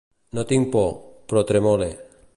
No tinc por, però tremole.